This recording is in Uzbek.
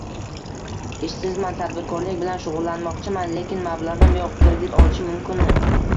Ishsizman, tadbirkorlik bilan shug‘ullanmoqchiman, lekin mablag‘im yo‘q. Kredit olishim mumkinmi?